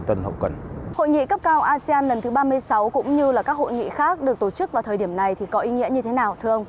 hội nghị cấp cao asean lần thứ ba mươi sáu cũng như các hội nghị khác được tổ chức vào thời điểm này thì có ý nghĩa như thế nào thưa ông